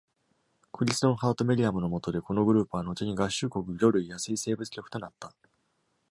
クリントン・ハート・メリアムの下で、このグループは後に合衆国魚類野生生物局となった。